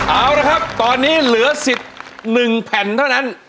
เอาละครับตอนนี้เหลือสิทธิ์๑แผ่นเท่านั้น